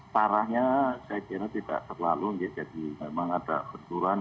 parahnya saya kira tidak terlalu ya jadi memang ada benturan